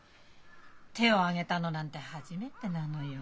手を上げたのなんて初めてなのよ。